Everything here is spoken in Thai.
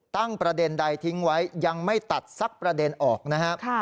ประเด็นใดทิ้งไว้ยังไม่ตัดสักประเด็นออกนะครับ